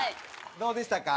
どうでしたか？